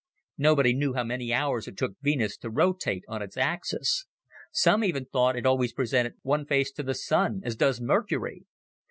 Nobody knew how many hours it took Venus to rotate on its axis. Some even thought it always presented one face to the Sun as does Mercury.